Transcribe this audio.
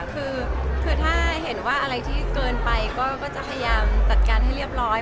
คือถ้าเห็นว่าอะไรที่เกินไปก็จะพยายามจัดการให้เรียบร้อย